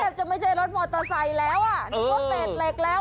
แทบจะไม่ใช่รถมอเตอร์ไซด์แล้วนึกว่าเตรียดเหล็กแล้ว